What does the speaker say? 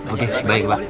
oke baik pak